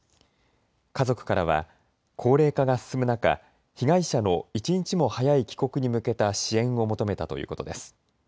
家族からは高齢化が進む中、被害者の１日も早い帰国に向けた支援を求めたということです。